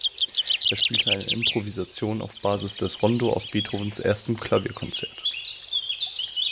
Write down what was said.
Er spielte eine Improvisation auf Basis des Rondo aus Beethovens erstem Klavierkonzert.